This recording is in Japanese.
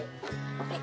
はい？